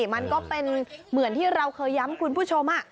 มันก็เป็นเหมือนที่เราเคยย้ำคุณผู้ชม